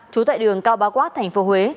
chú tại đường cao ba quát tp huế